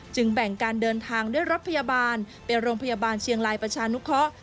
แบ่งการเดินทางด้วยรถพยาบาลไปโรงพยาบาลเชียงรายประชานุเคาะ